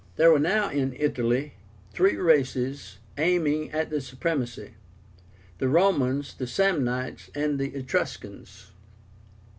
There were now in Italy three races aiming at the supremacy, the Romans, the Samnites, and the Etruscans.